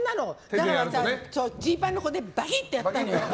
だからジーパンのここでバキッとやったのよ。